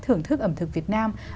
thưởng thức ẩm thực việt nam